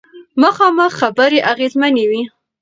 مخامخ خبرې اغیزمنې وي.